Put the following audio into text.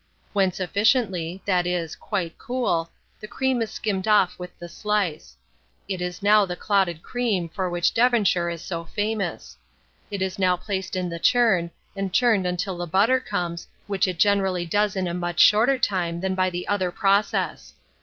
When sufficiently, that is, quite cool, the cream is skimmed off with the slice: it is now the clouted cream for which Devonshire is so famous. It is now placed in the churn, and churned until the butter comes, which it generally does in a much shorter time than by the other process.